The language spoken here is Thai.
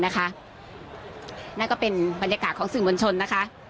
นั่นก็เป็นบรรยากาศของสื่อบริเวณชน